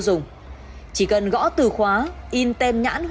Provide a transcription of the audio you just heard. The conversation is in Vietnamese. thậm chí chỉ bằng một phần một mươi